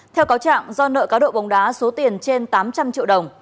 theo cáo trạng do nợ cáo độ bóng đá số tiền trên tám trăm linh triệu đồng